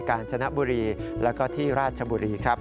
การชนะบุรีแล้วก็ที่ราชบุรีครับ